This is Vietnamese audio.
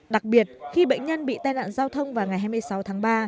đặc biệt khi bệnh nhân bị tai nạn giao thông vào ngày hai mươi sáu tháng ba